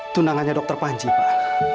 tunangannya dokter panji pak